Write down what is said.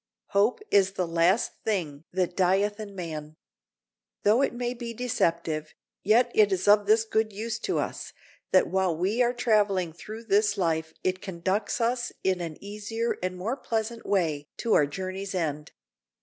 Hope is the last thing that dieth in man. Though it may be deceptive, yet it is of this good use to us, that while we are traveling through this life it conducts us in an easier and more pleasant way to our journey's end.